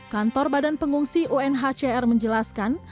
kantor badan pengungsi unhcr menjelaskan